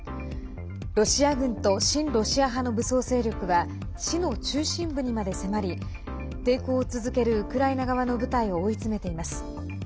ロシア軍と親ロシア派の武装勢力は市の中心部にまで迫り抵抗を続けるウクライナ側の部隊を追い詰めています。